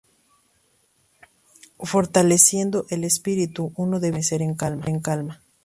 Fortaleciendo el espíritu, uno debía permanecer en calma.